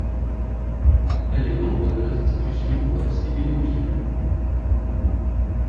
Elle est membre de l'Institution of Civil Engineers.